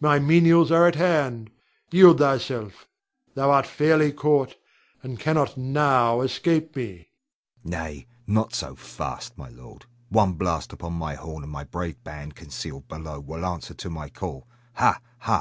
My menials are at hand, yield thyself; thou art fairly caught, and cannot now escape me. Hugo. Nay, not so fast, my lord. One blast upon my horn, and my brave band, concealed below, will answer to my call. Ha! ha!